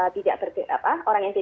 tidak berbeza apa